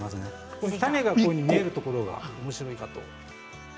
種が見えるところがおもしろいかなと。